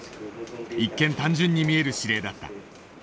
一見単純に見える指令だった。